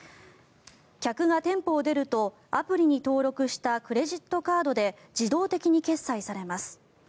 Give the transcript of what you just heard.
客が店舗を出るとアプリに登録したクレジットカードで自動的に決済されます。